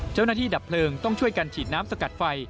เจ้าหน้าที่ดับเพลิงต้องช่วยกันฉีดน้ำสกัดไฟ